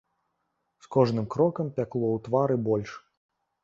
З кожным крокам пякло ў твары больш.